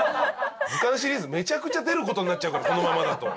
『図鑑シリーズ』めちゃくちゃ出る事になっちゃうからこのままだと。